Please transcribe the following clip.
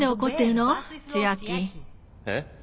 えっ？